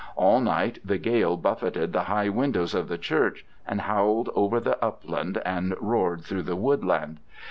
All night the gale buffeted the high windows of the church, and howled over the upland and roared through the woodland.